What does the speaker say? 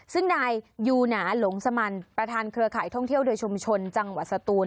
ซึ่งนายยูหนาหลงสมันประธานเครือข่ายท่องเที่ยวโดยชุมชนจังหวัดสตูน